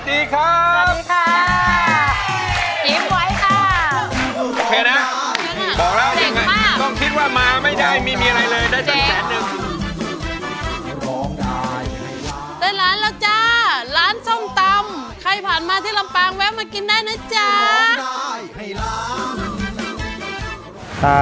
ยิ้มยิ้มยิ้มไม่ต้องนาวุฒิ